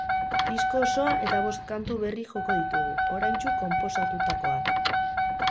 Disko osoa eta bost kantu berri joko ditugu, oraintsu konposatutakoak.